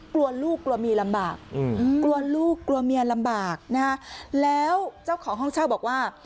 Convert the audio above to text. กลัวลูกกลัวเมียลำบากกลัวลูกกลัวเมียลำบากนะฮะแล้วเจ้าของห้องเช่าบอกว่า